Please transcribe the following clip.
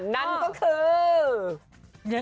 นั่นก็คือ